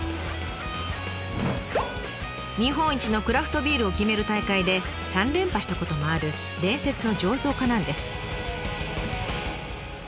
日本一のクラフトビールを決める大会で３連覇したこともある伝説の醸造家なんです。